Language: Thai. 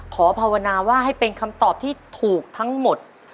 ภาวนาว่าให้เป็นคำตอบที่ถูกทั้งหมด